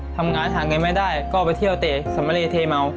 ทำงานหาเงินไม่ได้ก็ไปเที่ยวเตะสำเรเทเมา